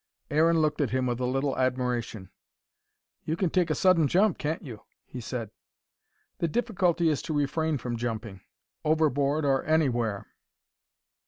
Aaron looked at him with a little admiration. "You can take a sudden jump, can't you?" he said. "The difficulty is to refrain from jumping: overboard or anywhere."